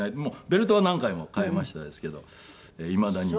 ベルトは何回も替えましたですけどいまだに。